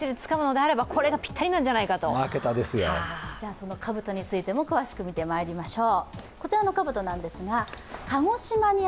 そのかぶとについても詳しく見ていきましょう。